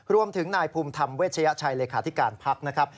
รวมถึงนายภูมิธรรมเวชยชัยเลขาธิการพักนะครับ